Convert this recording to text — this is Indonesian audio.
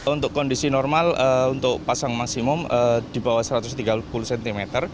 untuk kondisi normal untuk pasang maksimum di bawah satu ratus tiga puluh cm